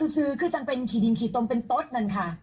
ซื้อคือจำเป็นขี่ดินขี่ตรงเป็นต้นนั่นค่ะ